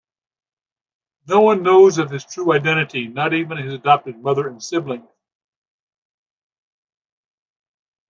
No one knows of his true identity, not even his adopted mother and siblings.